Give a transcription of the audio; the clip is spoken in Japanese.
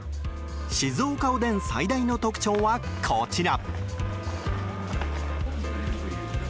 静岡おでん最大の特徴はこちら。